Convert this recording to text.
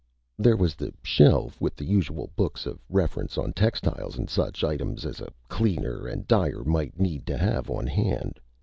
There was the shelf with the usual books of reference on textiles and such items as a cleaner and dyer might need to have on hand.